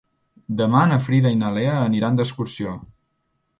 Demà na Frida i na Lea aniran d'excursió.